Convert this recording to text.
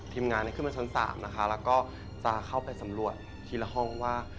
ทีมงานขึ้นมาชั้น๓นะคะแล้วก็จะเข้าไปสำรวจทีละห้องว่า